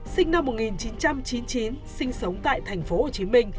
sinh năm một nghìn chín trăm chín mươi chín sinh sống tại tp hcm